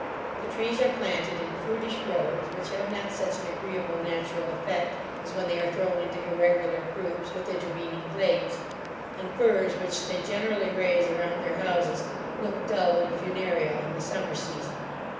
The trees are planted in prudish rows, which have not such an agreeable natural effect, as when they are thrown into irregular groupes, with intervening glades; and firs, which they generally raise around their houses, look dull and funereal in the summer season.